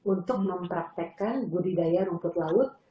untuk mempraktekkan budidaya rumput laut